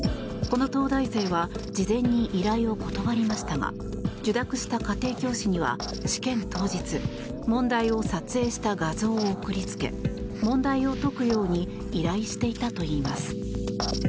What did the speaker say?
この東大生は事前に依頼を断りましたが受諾した家庭教師には試験当日問題を撮影した画像を送りつけ問題を解くように依頼していたといいます。